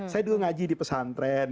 saya dulu ngaji di pesantren